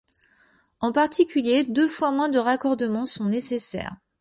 En particulier, deux fois moins de raccordements sont nécessaires.